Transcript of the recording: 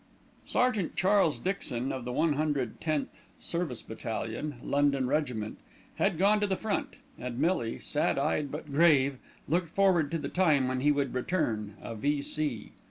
Sergeant Charles Dixon, of the 110th Service Battalion, London Regiment, had gone to the front, and Millie, sad eyed, but grave, looked forward to the time when he would return, a V.C.